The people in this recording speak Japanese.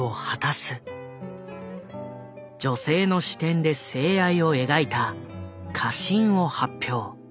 女性の視点で性愛を描いた「花芯」を発表。